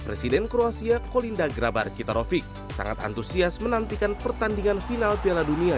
presiden kroasia kolinda grabar citarovik sangat antusias menantikan pertandingan final piala dunia